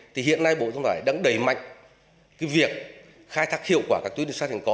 thì hiện nay bộ thông tải đang đẩy mạnh cái việc khai thác hiệu quả các tuyến đường sát hành có